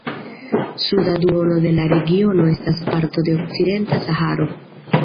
Suda duono de la regiono estas parto de Okcidenta Saharo.